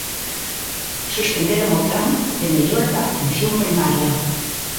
Suspenderon o Plan de mellora da atención primaria.